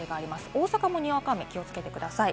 大阪もにわか雨に気をつけてください。